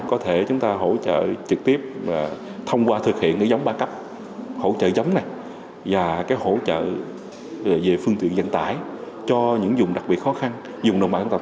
có thể chúng ta hỗ trợ trực tiếp thông qua thực hiện cái giống ba cấp hỗ trợ giống này và cái hỗ trợ về phương tiện dành tải cho những dùng đặc biệt khó khăn dùng đồng bạc tập tử số